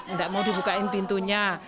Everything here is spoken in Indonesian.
nggak mau dibukain pintunya